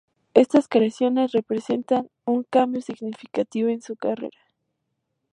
Estas creaciones representan un cambio significativo en su carrera.